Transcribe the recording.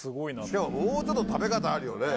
しかももうちょっと食べ方あるよね。